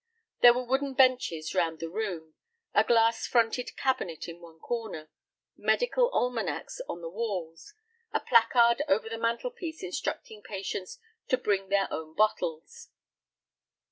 There were wooden benches round the room, a glass fronted cabinet in one corner, medical almanacs on the walls, a placard over the mantel piece instructing patients "To bring their own bottles."